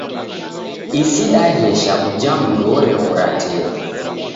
Isi daghesha uja mndu oreghora tee.